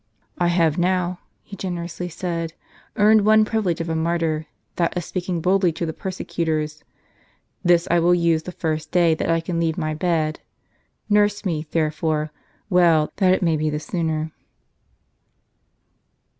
"I have now," he generously said, "earned one privilege of a martyr, that of speaking boldly to the persecutors. This I will use the first day that I can leave my bed. Nurse me, therefore, well, that it may be the sooner."